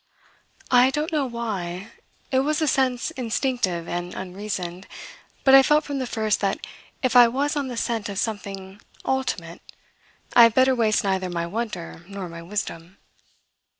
I don't know why it was a sense instinctive and unreasoned, but I felt from the first that if I was on the scent of something ultimate I had better waste neither my wonder nor my wisdom.